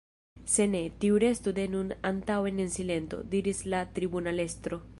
Se ne, tiu restu de nun antaŭen en silento, diris la tribunalestro.